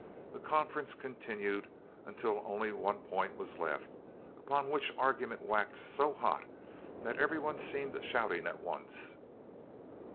The conference continued until only one point was left, upon which argument waxed so hot that everyone seemed shouting at once.